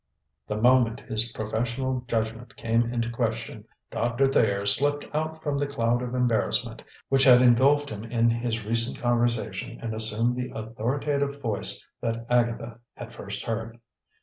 The moment his professional judgment came into question Doctor Thayer slipped out from the cloud of embarrassment which had engulfed him in his recent conversation, and assumed the authoritative voice that Agatha had first heard.